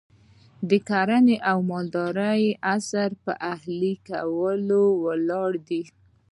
د کرنې او مالدارۍ عصر پر اهلي کولو ولاړ دی.